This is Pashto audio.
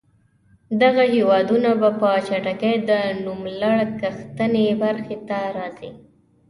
دغه هېوادونه به په چټکۍ د نوملړ ښکتنۍ برخې ته راځي.